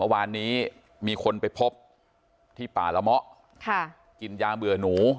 วันนี้มีคนไปพบที่ป่าละมกินยางเหวื่อหนู